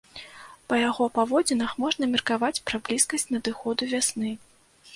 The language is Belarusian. Па яго паводзінах можна меркаваць пра блізкасць надыходу вясны.